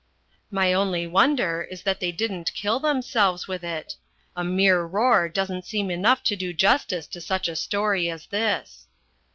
My only wonder is that they didn't kill themselves with it. A mere roar doesn't seem enough to do justice to such a story as this.